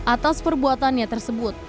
atas perbuatannya tersebut